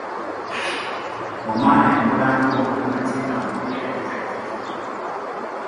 Omwana yakola ng'omuddu ate nga mu kulya yali tajjukirwa.